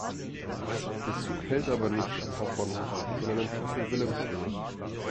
Der Zug hält aber nicht am Hauptbahnhof, sondern in Kassel-Wilhelmshöhe.